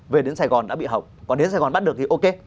về đến sài gòn đã bị hỏng còn nếu sài gòn bắt được thì ok